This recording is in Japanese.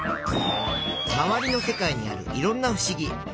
まわりの世界にあるいろんなふしぎ。